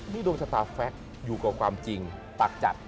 นี่โดมสตาร์ทแฟคอยู่กับความจริงตักจัด